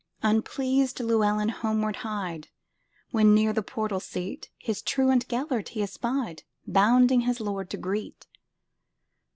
Unpleased Llewelyn homeward hied, When, near the portal seat, His truant Gêlert he espied, Bounding his lord to greet.